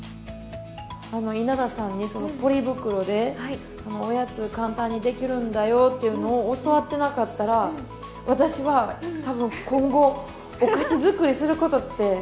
あの稲田さんにそのポリ袋でおやつ簡単にできるんだよっていうのを教わってなかったら私は多分今後お菓子づくりすることってなかった。